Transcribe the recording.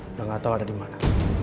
udah nggak tahu ada di mana